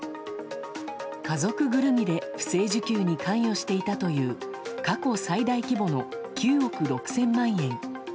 家族ぐるみで不正受給に関与していたという過去最大規模の９億６０００万円。